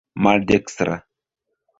maldekstra